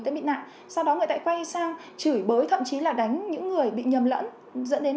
sẽ bị nạn sau đó người ta quay sang chửi bới thậm chí là đánh những người bị nhầm lẫn dẫn đến